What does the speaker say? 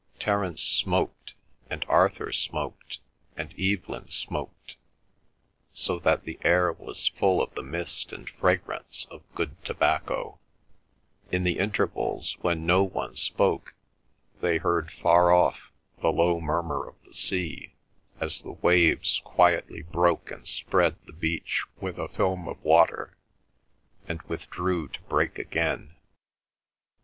Terence smoked and Arthur smoked and Evelyn smoked, so that the air was full of the mist and fragrance of good tobacco. In the intervals when no one spoke, they heard far off the low murmur of the sea, as the waves quietly broke and spread the beach with a film of water, and withdrew to break again.